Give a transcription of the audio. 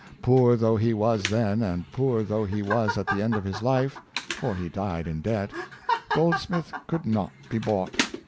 Poor though he was then, and poor though he was at the end of his life — for he died in debt — Goldsmith could not be bought.